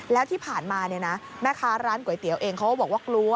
แล้วที่ผ่านมาเนี่ยนะแม่ค้าร้านก๋วยเตี๋ยวเองเขาก็บอกว่ากลัว